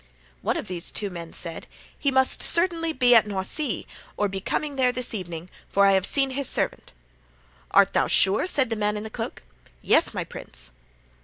"One of these two men said, 'He must certainly be at Noisy, or be coming there this evening, for I have seen his servant.' "'Art thou sure?' said the man in the cloak. "'Yes, my prince.